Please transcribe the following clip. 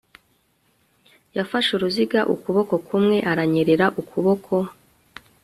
yafashe uruziga ukuboko kumwe aranyereka ukuboko